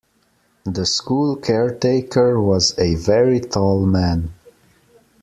The school caretaker was a very tall man